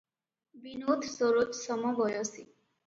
ବିନୋଦ ସରୋଜ ସମବୟସୀ ।